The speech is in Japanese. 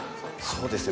そうですね